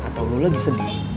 atau lu lagi sedih